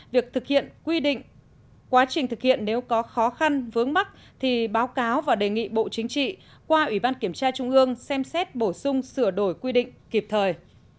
việc thực hiện quy định quá trình thực hiện nếu có khó khăn vướng mắt thì báo cáo và đề nghị bộ chính trị qua ủy ban kiểm tra trung ương xem xét bổ sung sửa đổi quy định kịp thời